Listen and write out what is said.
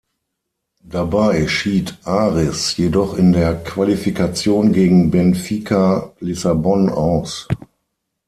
Dabei schied Aris jedoch in der Qualifikation gegen Benfica Lissabon aus.